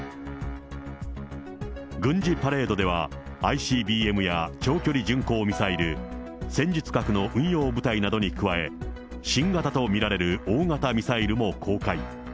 軍事パレードでは、ＩＣＢＭや長距離巡航ミサイル、戦術核の運用部隊などに加え、新型と見られる大型ミサイルも公開。